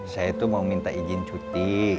saya itu mau minta izin cuti